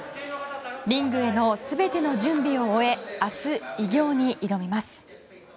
リングへの全ての準備を終え明日、偉業に挑みます。